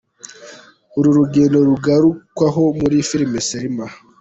Uru rugendo rugarukwaho muri filime Selma.